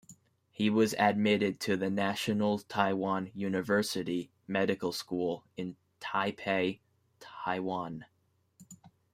He was admitted to the National Taiwan University Medical School in Taipei, Taiwan.